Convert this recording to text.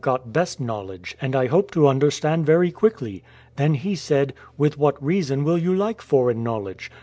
THIRSTING FOR TRUTH got best knowledge, and I hope to understand very quickly.' Then he said, ' With what reason will you like foreign knowledge?